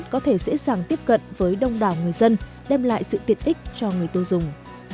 có thể sẽ sẵn tiếp cận với đông đảo người dân đem lại sự tiện ích cho người tu dùng